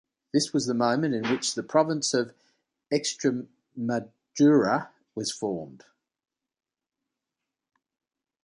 This was the moment in which the province of Extremadura was formed.